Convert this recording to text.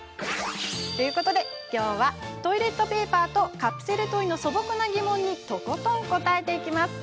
今日はトイレットペーパーとカプセルトイの素朴な疑問にとことん答えていきます。